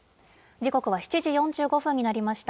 時刻は７時４５分になりました。